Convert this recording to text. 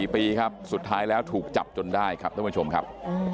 ๔ปีครับสุดท้ายแล้วถูกจับจนได้ครับท่านผู้ชมครับ